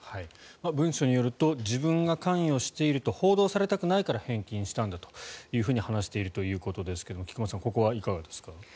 文書によると自分が関与していると報道されたくないから返金したんだと話しているということですが菊間さん、ここはいかがですか。